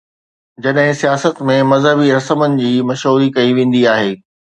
جڏهن سياست ۾ مذهبي رسمن جي مشهوري ڪئي ويندي آهي.